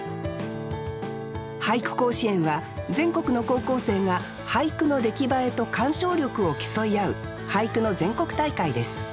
俳句甲子園は全国の高校生が俳句の出来栄えと鑑賞力を競い合う俳句の全国大会です。